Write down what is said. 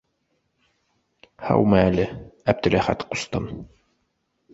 Һаумы әле, Әптеләхәт ҡустым...